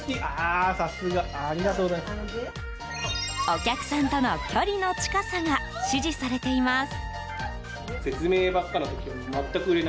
お客さんとの距離の近さが支持されています。